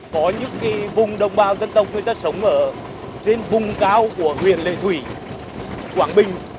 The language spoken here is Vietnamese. có những vùng đồng bào dân tộc người ta sống ở trên vùng cao của huyện lệ thủy quảng bình